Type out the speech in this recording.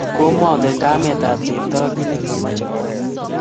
Komakongen kametap Cheptoo kit ne kimache kwal.